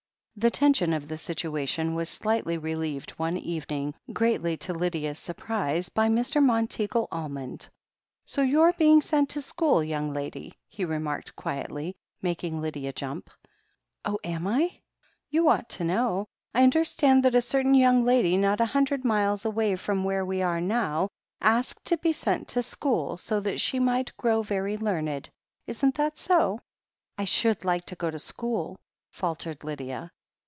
The tension of the situation was slightly relieved one evening, greatly to Lydia's surprise, by Mr. Monteagle Almond. "So you're being sent to school, young lady?" he re remarked quietly, making Lydia jump. "Oh, am I ?" "You ought to know. I understand that a certain young lady, not a hundred miles away from where we are now, asked to be sent to school, so that she might grow very learned. Isn't that so?" 1 should like to go to school," faltered Lydia.